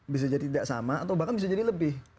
bisa jadi tidak sama atau bahkan bisa jadi lebih